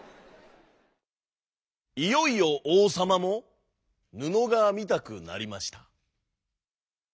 いよいよおうさまもぬのがみたくなりました。